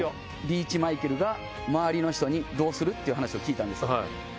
リーチマイケルが周りの人にどうする？っていう話を聞いたんです。